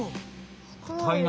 かたいな。